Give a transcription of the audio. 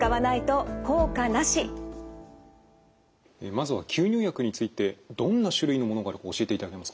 まずは吸入薬についてどんな種類のものがあるか教えていただけますか。